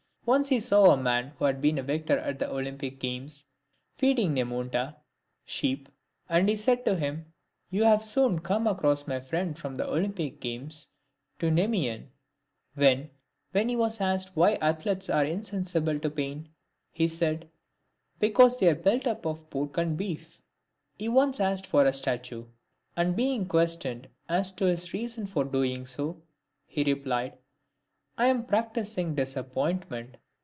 Once he saw a man who had been victor at the Olympic games, feeding (vifiwra) sheep, and he said to him, " You have soon come across my friend from the Olympic games, to the Nemean." DIOGENES. 235 When he was asked why athletes are insensible to pain, he said, " Because they are built up of pork and beef." He once asked for a statue ; and being questioned as to his reason for doing so, he said, " I am practising disappoint ment."